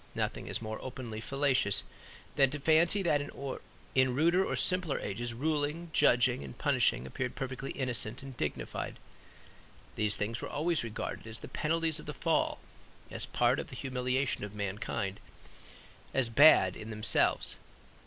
Nothing is more openly fallacious than to fancy that in ruder or simpler ages ruling, judging and punishing appeared perfectly innocent and dignified. These things were always regarded as the penalties of the Fall; as part of the humiliation of mankind, as bad in themselves.